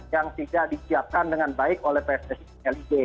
yang tidak disiapkan dengan baik oleh psi dan liga dua